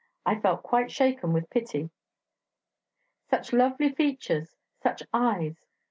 I felt quite shaken with pity. Such lovely features; such eyes!...